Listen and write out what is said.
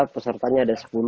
pesertanya ada sepuluh